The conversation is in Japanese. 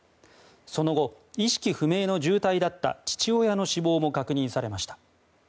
その後、意識不明の重体だった父親の死亡も確認されました。